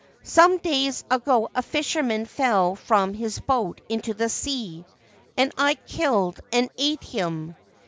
Some days ago a fisherman fell from his boat into the sea, and I killed and ate him.